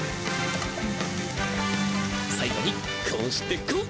さいごにこうしてこう。